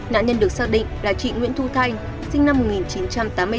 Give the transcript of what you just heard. nạn nhân được xác định là chị nguyễn thu thanh sinh năm một nghìn chín trăm tám mươi ba